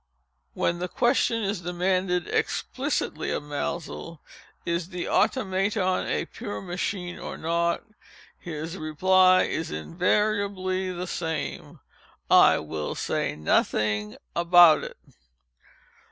When the question is demanded explicitly of Maelzel—"Is the Automaton a pure machine or not?" his reply is invariably the same—"I will say nothing about it."